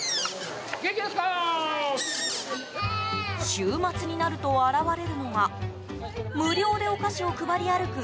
週末になると現れるのが無料でお菓子を配り歩く